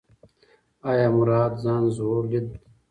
ایا مراد ځان زوړ لید؟